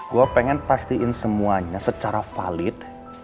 gue pengen pastiin semuanya secara valid